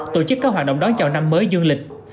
tổ chức các hoạt động đón chào năm mới du lịch